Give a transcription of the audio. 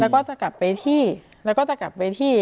แล้วจะกลับไปที่